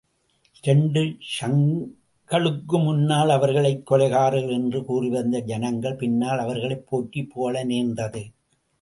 இரண்டு ஷங்களுக்கு முன்னால் அவர்களைக் கொலைகாரர்கள் என்று கூறிவந்த ஜனங்களே, பின்னால் அவர்களைப் போற்றிப்புகழ நேர்ந்தது!